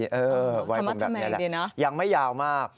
ทำไมดีนะยังไม่ยาวมาก